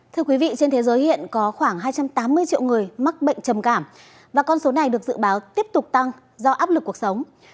thưa quý vị trên thế giới hiện có khoảng hai trăm tám mươi triệu người mắc bệnh trầm cảm và con số này được dự báo tiếp tục tăng do áp lực cuộc sống